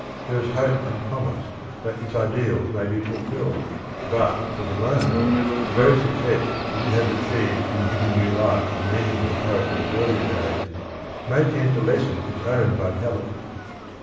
There is hope and promise that its ideals may be fulfilled, but for the moment the very success that it has achieved in giving new life and meaning to the poetry of earlier days may tend to lessen its own vitality.